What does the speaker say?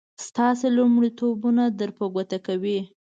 ستاسې لومړيتوبونه در په ګوته کوي.